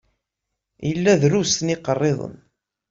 Ila drust n iqariḍen.